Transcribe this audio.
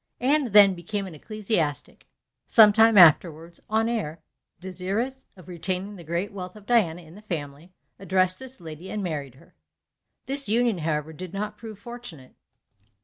Anne then became an ecclesiastic. Some time afterwards, Honoré, desirous of retaining the great wealth of Diana in the family, addressed this lady, and married her. This union, however, did not prove fortunate.